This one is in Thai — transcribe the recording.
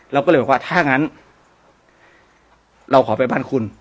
เราก็เลยบอกว่าถ้างั้นเราขอไปบ้านคุณ